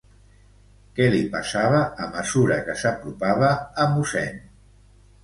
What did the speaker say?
Què li passava a mesura que s'apropava a Mossèn?